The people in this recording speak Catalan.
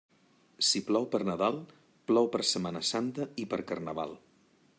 Si plou per Nadal, plou per Setmana Santa i per Carnaval.